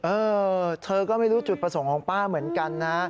เออเธอก็ไม่รู้จุดประสงค์ของป้าเหมือนกันนะ